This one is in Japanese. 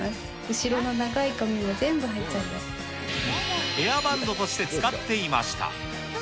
後ろの長い髪も全部入っちゃいまヘアバンドとして使っていました。